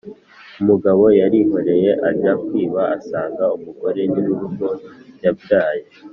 Umugabo yarihoreye ajya kwiba, asanga umugore nyirurugo yabyaye